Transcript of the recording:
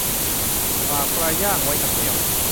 ฝากปลาย่างไว้กับแมว